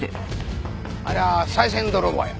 ありゃ賽銭泥棒や。